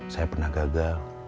saya pernah gagal